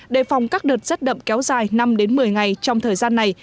đề phòng các đợt rét đậm kéo dài năm đến một mươi ngày trong thời gian này